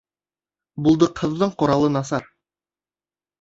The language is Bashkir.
Булдыҡһыҙҙың ҡоралы насар.